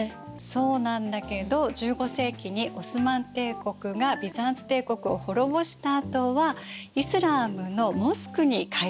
そうなんだけど１５世紀にオスマン帝国がビザンツ帝国を滅ぼしたあとはイスラームのモスクに改装されてるの。